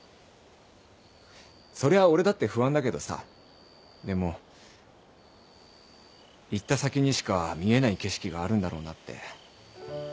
そりゃ俺だって不安だけどさでも行った先にしか見えない景色があるんだろうなって。